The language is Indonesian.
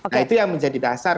nah itu yang menjadi dasar